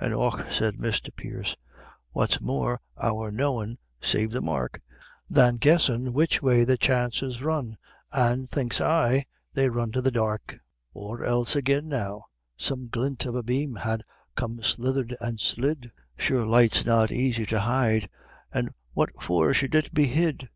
An' "Och," says Misther Pierce, "what more's our knowin' save the mark Than guessin' which way the chances run, an' thinks I they run to the dark; Or else agin now some glint of a bame'd ha' come slithered an' slid; Sure light's not aisy to hide, an' what for should it be hid?"